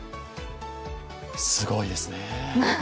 すごいですね。